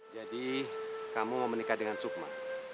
jadi kamu mau menikah dengan sukma